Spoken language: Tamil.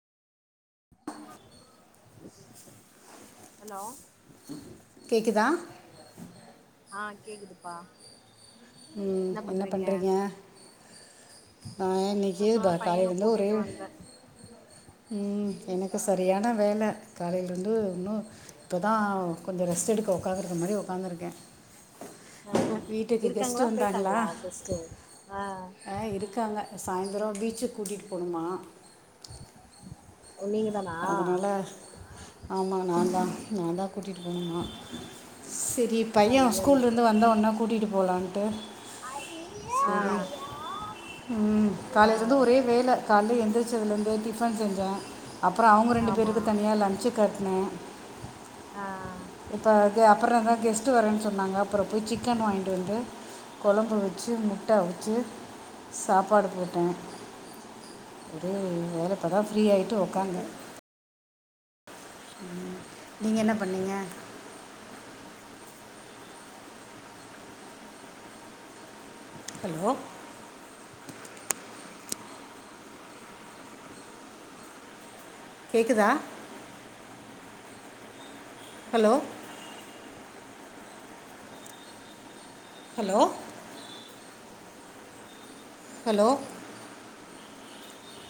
ஹலோ கேட்குதா ஆ கேக்குதுப்பா என்ன பண்றீங்க நா இன்னைக்கி இப்பதா பா பையன காலையிலருந்து ஒரே கூட்டிட்டு வந்தே ம் எனக்கு சரியான ஆ வேல காலைல இருந்து இன்னு இப்போதா கொஞ்சோ ரெஸ்ட் எடுக்க உக்காந்துறுக்கற மாரி உக்காந்துருக்கே இருக்காங்களா வந்தாங்களா போய்ட்டாங்களா கெஸ்ட்டு ஆ ஆ இருக்காங்க சாயந்தரோ பீச்சுக்கு கூட்டிகிட்டு போகணுமா நீங்க தானா அதனால ஆமா நான்தா நா தா கூட்டிட்டு போனுமா செரி பைய ஸ்கூல்ல ஐயையோ இருந்து வந்த உடனே கூட்டிட்டு போகலான்ட்டு ஆ செரி ம் ஆ காலைல இருந்து ஒரே வேல காலைல எந்திரச்சதுல இருந்து டிபன் செஞ்சே அப்புறோ அவங்க ரெண்டு ஆமா பேருக்கு தனியா லன்ச்சு கட்னே ஆ இப்ப தே அப்புறதா கெஸ்ட்ட் வரேன்னு சொன்னாங்க அப்புறோ போய் சிக்கன் வாங்கிட்டு வந்து கொழம்பு வெச்சு முட்ட அவுச்சு சாப்பாடு போட்ட ஒரே வேல இப்பதா ஃப்ரீயாயிட்டு உக்காந்தே ம் நீங்க என்னப் பண்ணீங்க ஹலோ கேட்குதா ஹலோ ஹலோ ஹலோ